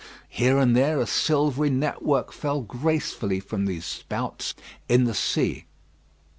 Here and there a silvery network fell gracefully from these spouts in the sea.